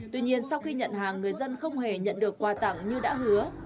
tuy nhiên sau khi nhận hàng người dân không hề nhận được quà tặng như đã hứa